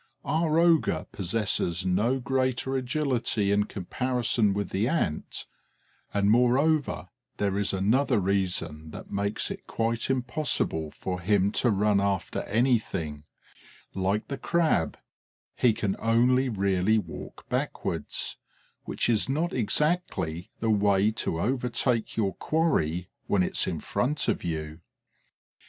Our ogre possesses no greater agility in comparison with the Ant; and moreover there is another reason that makes it quite impossible for him to run after anything: like the Crab, he can only really walk backwards, which is not exactly the way to overtake your quarry when it's in front of you.